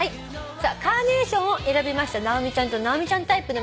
「カーネーション」を選びました直美ちゃんと直美ちゃんタイプの皆さん